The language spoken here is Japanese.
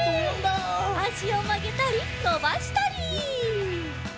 あしをまげたりのばしたり。